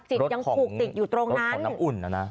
จิตยังผูกติดอยู่ตรงนั้นรถของน้ำอุ่นนะ